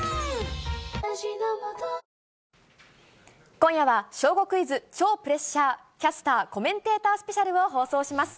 今夜は小５クイズ超プレッシャーキャスター・コメンテータースペシャルを放送します。